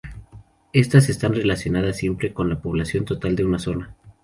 Estas están relacionadas siempre con la población total de una zona.